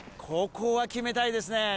ここは決めたいですね